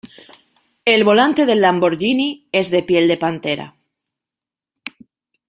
El volante del Lamborghini es de piel de pantera.